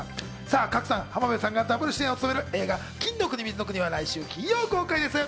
賀来さん、浜辺さんがダブル主演を務める映画『金の国水の国』は来週金曜公開です。